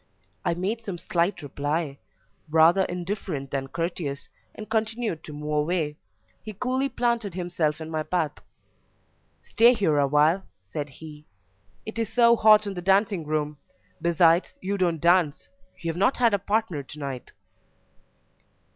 I made some slight reply, rather indifferent than courteous, and continued to move away. He coolly planted himself in my path. "Stay here awhile," said he: "it is so hot in the dancing room; besides, you don't dance; you have not had a partner to night."